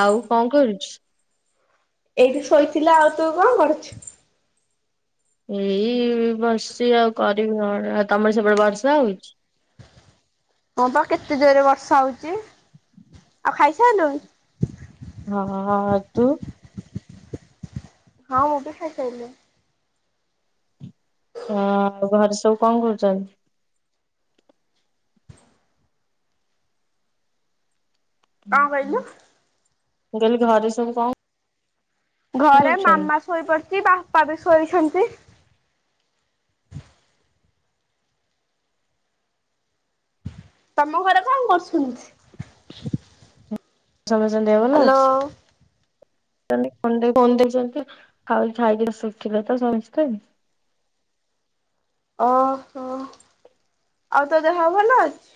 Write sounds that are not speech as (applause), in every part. ଆଉ କଣ କରୁଚୁ? ଏଇଠି ଶୋଇଥିଲା, ଆଉ ତୁ କଣ କରୁଛୁ? ଏଇ ବସିଛି ଆଉ କରିବି କଣ, ଆଉ ତମର ସେପଟେ ବର୍ଷା ହଉଛି? ହଁ ପା କେତେ ଜୋରରେ ବର୍ଷା ହଉଛି, ଆଉ ଖାଇସାଇଲୁଣି? ହଁ ତୁ? ହଁ ମୁଁ ବି ଖାଇସାଇଲିଣି। ହଁ ଆଉ ଘରେ ସବୁ କଣ କରୁଛନ୍ତି? କଣ କହିଲୁ? ମୁ କହିଲି ଘରେ ସବୁ କଣ ଘରେ କରୁଛନ୍ତି ମାମା ଶୋଇପଡିଛି, ବାପା ବି ଶୋଇଛନ୍ତି। ତମ ଘରେ କଣ କରୁଛନ୍ତି? ସମସ୍ତଙ୍କ ଦେହ ଭଲ ଅଛି? ହ୍ୟାଲୋ। (unintelligible) ଖାଉ ଖାଇକି ଉଠିଲେ ତ ସମସ୍ତେ। ଓହୋ ଆଉ ତୋ ଦେହ ଭଲ ଅଛି?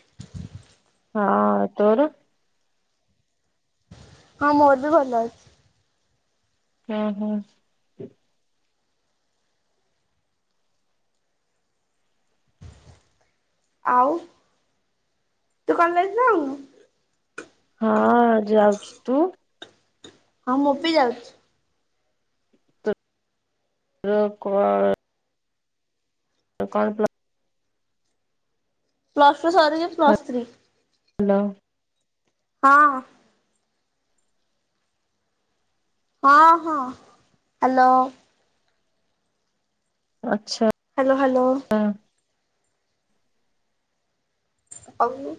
ହଁ ତୋର? ହଁ ମୋର ବି ଭଲ ଅଛି। ହୁଁ ହୁଁ। ଆଉ ତୁ କଲେଜ୍ ଯାଉନୁ? ହଁ ଯାଉଛି, ତୁ? ହଁ ମୁଁ ବି ଯାଉଛି। (unintelligible) ତ କଣ ପ୍ଲ ପ୍ଲସ୍ ଟୁ ସରିକି ପ୍ଲସ୍ ଥ୍ରୀ। ହାଲୋ। ହଁ। ହଁ ହଁ ହାଲୋ। ଆଛା। Hello hello. ହଁ। ଆଉ।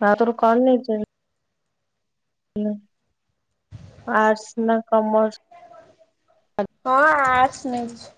ହ ତର କଣ ନେଇଚି। ହ ଆର୍ଟସ ନା କମର୍ସ? ହଁ ଆର୍ଟ୍ସ ନେଇଛି।